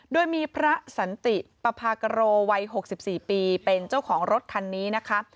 โดยมีพระสันติปภากโรวัย๖๔ปีเป็นเจ้าของรถคันนี้นะคะ